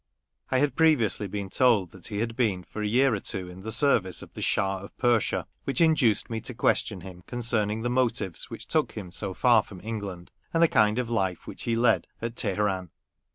I had previously been told that he had been for a year or two in the service of the Schah of Persia, which induced me to question him concerning the motives which took him so far from England, and the kind of life which he led at Teheran.